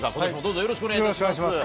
よろしくお願いします。